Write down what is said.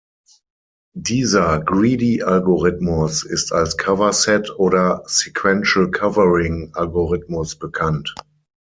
Dieser Greedy-Algorithmus ist als "Cover Set"- oder "Sequential Covering"-Algorithmus bekannt.